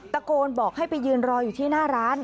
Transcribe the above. ตะโกนบอกให้ไปยืนรออยู่ที่หน้าร้าน